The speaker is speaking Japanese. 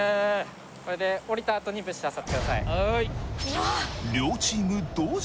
これで降りたあとに物資あさってください。